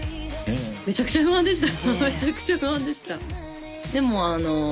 めちゃくちゃ不安でした。